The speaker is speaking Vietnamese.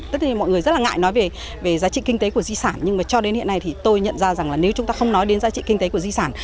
tất nhiên mọi người rất là ngại nói về giá trị kinh tế của di sản nhưng mà cho đến hiện nay thì tôi nhận ra rằng là nếu chúng ta không nói đến giá trị kinh tế của di sản